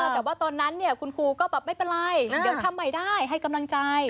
แต่ว่าตอนนั้นคุณครูก็แบบไม่เป็นไรเดี๋ยวทำใหม่ได้ให้กำลังใจ